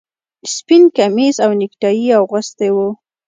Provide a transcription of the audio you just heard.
سپین کمیس او نیکټايي یې اغوستي وو